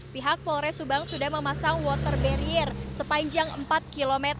pihak polres subang sudah memasang water barrier sepanjang empat km